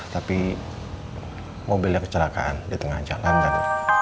tapi mobilnya kecelakaan di tengah jakarta